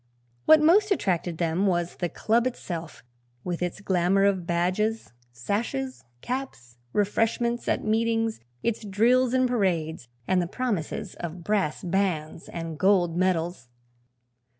What most attracted them was the club itself, with its glamour of badges, sashes, caps, "refreshments" at meetings, its drills and parades and the promises of brass bands and gold medals.